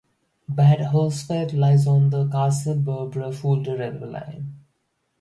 Bad Hersfeld lies on the Kassel-Bebra-Fulda railway line.